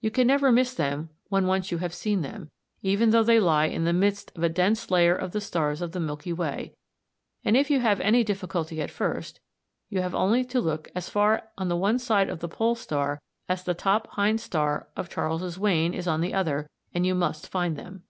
You can never miss them when you have once seen them, even though they lie in the midst of a dense layer of the stars of the Milky Way, and if you have any difficulty at first, you have only to look as far on the one side of the Pole star as the top hind star of Charles's Wain is on the other, and you must find them.